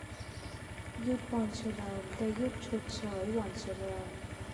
หยุดวันเฉลิม และ หยุดชดเชยวันเฉลิม